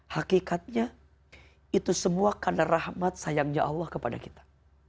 hakikatnya itu semua karena rahmat sayangnya allah kepada kita